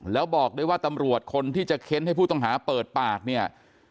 แล้วบอกได้ว่าตำรวจคนที่จะเค้นให้ผู้ต้องหาเปิดปากเนี่ย